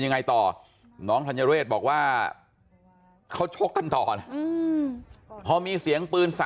ยังไงต่อน้องธัญเรศบอกว่าเขาชกกันต่อนะพอมีเสียงปืน๓